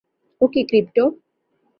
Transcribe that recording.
ওকে, crypto.